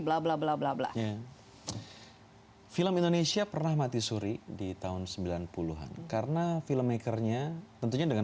blablablabla film indonesia pernah mati suri di tahun sembilan puluh an karena film maker nya tentunya dengan